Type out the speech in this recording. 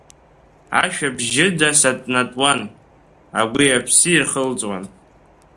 Ашәа бжьыда сатәнатәуан, агәи аԥси ирхылҵуан.